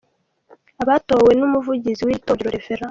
Abatowe ni Umuvugizi w’iri torero; Rev.